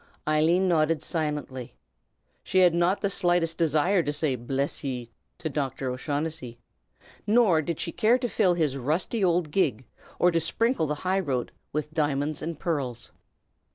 Eileen nodded silently. She had not the slightest desire to say "Bliss ye!" to Dr. O'Shaughnessy; nor did she care to fill his rusty old gig, or to sprinkle the high road, with diamonds and pearls.